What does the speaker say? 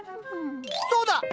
そうだ！